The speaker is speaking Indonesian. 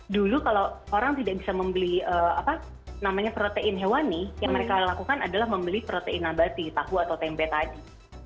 dulu kalau orang tidak bisa membeli protein hewani yang mereka lakukan adalah membeli protein abati tahu atau tempe tadi